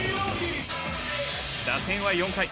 打線は４回。